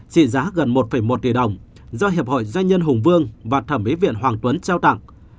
trị giá gần một một tỷ đồng do hiệp hội doanh nhân hùng vương và thẩm mỹ viện hoàng tuấn trao tặng